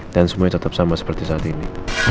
dan semuanya tetap sama seperti saat ini